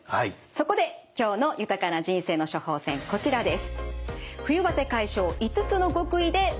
そこで今日の豊かな人生の処方せんこちらです。